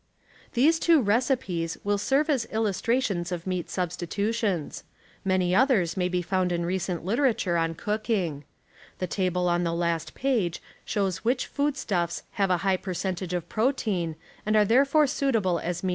These two recipes* will serve as illustrations of meat substi tutions. Many others may be found in recent literature on cook ing. The table on the last page shows which food stuffs have a high percentage of })rotein and are therefore suitable as meat *The Cornell Reading Courses, June i, 1915, Page 190.